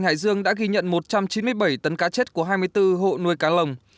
tại xã tiền tiến tỉnh hải dương đã ghi nhận một trăm chín mươi bảy tấn cá chết của hai mươi bốn hộ nuôi cá lồng